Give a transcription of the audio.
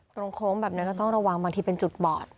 โค้งแบบนี้ก็ต้องระวังบางทีเป็นจุดบอด